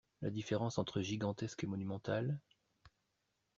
La différence entre gigantesque et monumental?